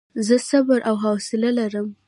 زه صبر او حوصله لرم.